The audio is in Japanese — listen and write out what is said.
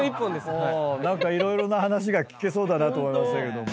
何か色々な話が聞けそうだなと思いましたけども。